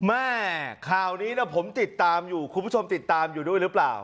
แม่ข่าวนี้นะผมติดตามอยู่คุณผู้ชมติดตามอยู่ด้วยหรือเปล่า